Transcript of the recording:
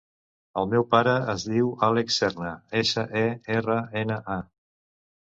El meu pare es diu Àlex Serna: essa, e, erra, ena, a.